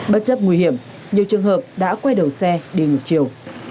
bất chấp nguy hiểm nhiều trường hợp đã quay đầu xe đi ngược chiều